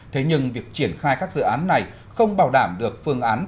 thế nhưng việc triển khai các dự án này không bảo đảm được phương án tăng cấp